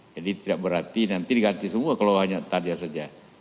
jadi tidak berarti nanti diganti semua kalau hanya target saja